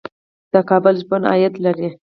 د کابل ژوبڼ عاید لري